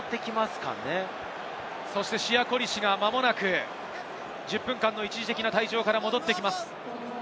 シヤ・コリシが間もなく１０分間の一時的退場から戻ってきます。